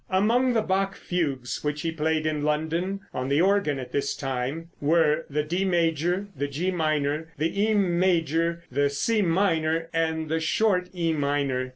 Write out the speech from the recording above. Among the Bach fugues which he played in London on the organ at this time were the D major, the G minor, the E major, the C minor and the short E minor.